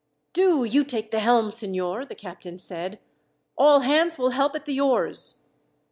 "Do you take the helm, signor," the captain said. "All hands will help at the oars."